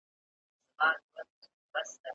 ¬ لڅ د لاري اوړي، وږی د لاري نه اوړي.